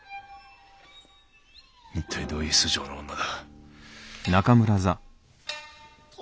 一体どういう素性の女だ？